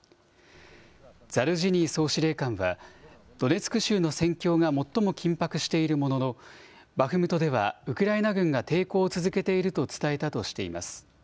ザルジニー総司令官は、ドネツク州の戦況が最も緊迫しているものの、バフムトではウクライナ軍が抵抗を続けていると伝えたとしています。